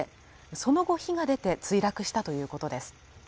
その後火が出て墜落したということです